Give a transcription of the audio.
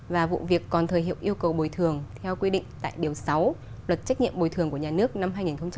và vụ việc còn thời hiệu yêu cầu bồi thường theo quy định tại điều sáu luật trách nhiệm bồi thường của nhà nước năm hai nghìn một mươi